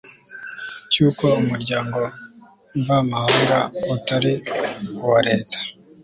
cy uko umuryango mvamahanga utari uwareta